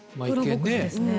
一見ね。